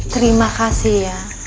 terima kasih ya